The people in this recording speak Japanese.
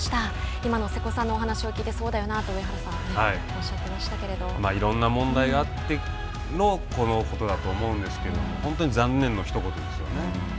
今の瀬古さんのお話を聞いてそうだよなと上原さんはいろんな問題があってのこのことだと思うんですけども本当に残念の一言ですよね。